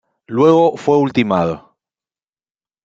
Luego fue ultimado.